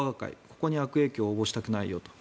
ここに悪影響を及ぼしたくないよと。